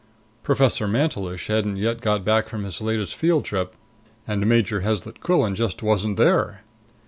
Professor Mantelish hadn't yet got back from his latest field trip, and Major Heslet Quillan just wasn't there.